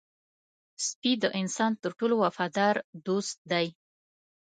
سپي د انسان تر ټولو وفادار دوست دی.